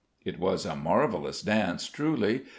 It was a marvellous dance, truly.